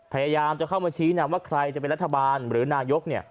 พยายามจะเข้ามาชี้นำว่าใครจะเป็นรัฐบาลหรือนายก